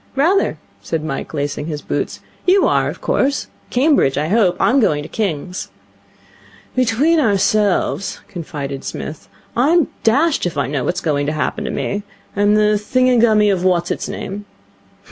'Rather,' said Mike, lacing his boots. 'You are, of course? Cambridge, I hope. I'm going to King's.' 'Between ourselves,' confided Psmith, 'I'm dashed if I know what's going to happen to me. I am the thingummy of what's its name.'